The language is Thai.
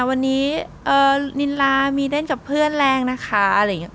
วันนี้นินลามีเด้นกับเพื่อนแรงนะคะ